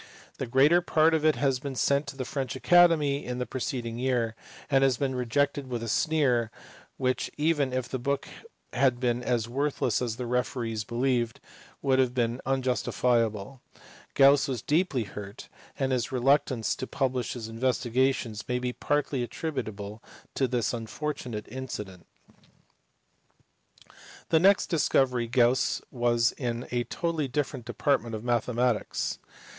The greater part of it had been sent to the French Academy in the preceding year, and had been rejected with a sneer which, even if the book had been as worthless as the referees believed, would have been unjustifiable ; Gauss was deeply hurt, and his reluctance to publish his investigations may be partly attributable to this unfortunate incident. The next discovery of Gauss was in a totally different department of mathematics.